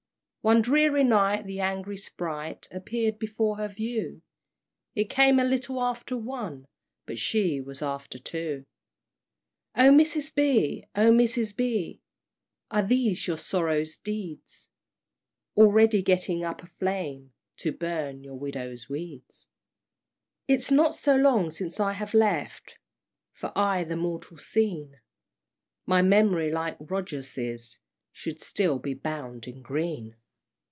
One dreary night the angry sprite Appeared before her view; It came a little after one, But she was after two! "O Mrs. B., O Mrs. B.! Are these your sorrow's deeds, Already getting up a flame, To burn your widows' weeds? "It's not so long since I have left For aye the mortal scene; My memory like Rogers's Should still be bound in green!